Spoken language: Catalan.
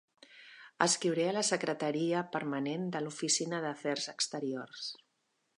Escriuré a la Secretaria Permanent de l'Oficina d'Afers Exteriors.